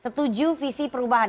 setuju visi perubahan